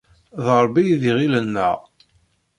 D Rebbi i d iɣil-nneɣ.